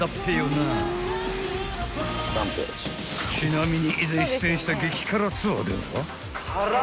［ちなみに以前出演した］